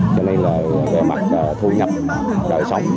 cho nên về mặt thu nhập đợi xong